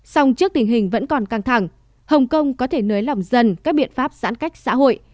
song trước tình hình vẫn còn căng thẳng hồng kông có thể nới lỏng dần các biện pháp giãn cách xã hội